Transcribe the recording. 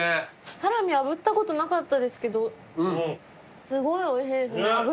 サラミあぶったことなかったですけどすごいおいしいですね脂が。